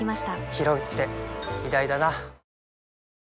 ひろうって偉大だな